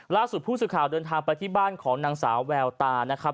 ล่าสุดผู้สื่อข่าวเดินทางไปที่บ้านของนางสาวแววตานะครับ